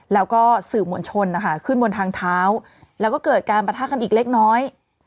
แล้วก็สื่อมวลชนนะคะขึ้นบนทางเท้าแล้วก็เกิดการประทะกันอีกเล็กน้อย